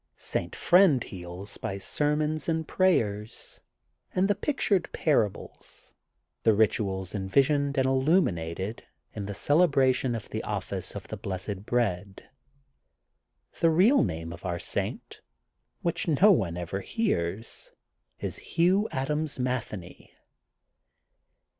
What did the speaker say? St. Friend heals by sermons and prayers and the pictured parables, the rituals envisaged and illumi nated in the celebration of the Office of the Blessed Bread. The real name of our saint, which no one ever hears, is Hugh Adams Matheney.